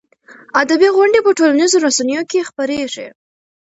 ادبي غونډې په ټولنیزو رسنیو کې خپرېږي.